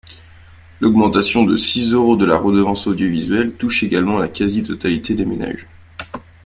L’augmentation de six euros de la redevance audiovisuelle touche également la quasi-totalité des ménages.